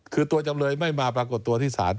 คือตัวจำเลยไม่มาปรากฏตัวที่ศาล